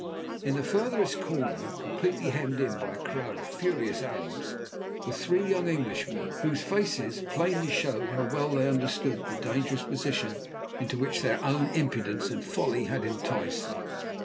In the furthest corner, completely hemmed in by a crowd of furious Arabs, were three young Englishmen, whose faces plainly showed how well they understood the dangerous position into which their own impudence and folly had enticed them.